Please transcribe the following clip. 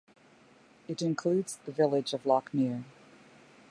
It includes the village of Lochmere.